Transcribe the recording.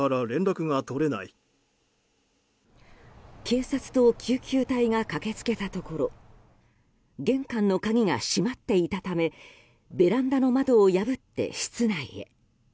警察と救急隊が駆け付けたところ玄関の鍵が閉まっていたためベランダの窓を破って室内へ。